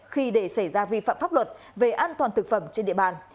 khi để xảy ra vi phạm pháp luật về an toàn thực phẩm trên địa bàn